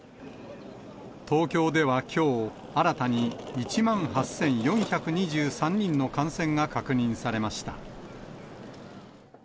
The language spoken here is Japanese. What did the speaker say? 東京ではきょう、新たに１万８４２３人の感染が確認されました。